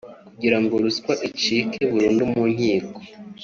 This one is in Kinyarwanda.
Kugira ngo ruswa icike burundu mu nkiko